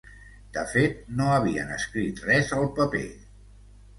De fet, no havien escrit res al paper.